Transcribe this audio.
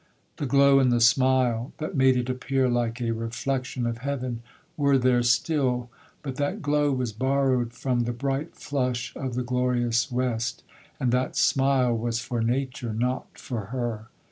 The glow and the smile, that made it appear like a reflexion of heaven, were there still,—but that glow was borrowed from the bright flush of the glorious west, and that smile was for nature,—not for her.